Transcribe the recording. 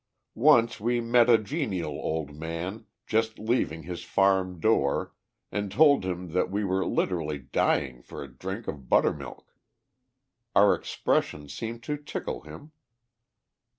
Once we met a genial old man just leaving his farm door, and told him that we were literally dying for a drink of buttermilk. Our expression seemed to tickle him.